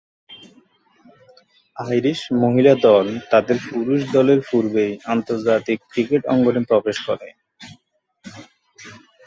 Irish মহিলা দল তাদের পুরুষ দলের পূর্বেই আন্তর্জাতিক ক্রিকেট অঙ্গনে প্রবেশ করে।